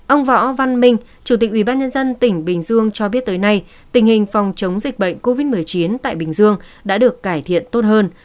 ông võ văn minh chủ tịch ubnd tỉnh bình dương cho biết tới nay tình hình phòng chống dịch bệnh covid một mươi chín tại bình dương đã được cải thiện tốt hơn